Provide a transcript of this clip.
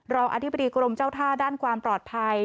อธิบดีกรมเจ้าท่าด้านความปลอดภัย